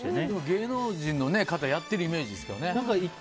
芸能人の方やってるイメージですよね。